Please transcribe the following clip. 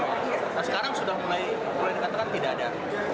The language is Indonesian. menghasilkan semua dan sekarang sudah mulai dikatakan tidak ada